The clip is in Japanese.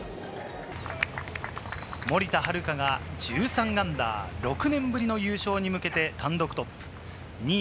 森田遥が−１３、６年ぶりの優勝に向けて単独トップ、２位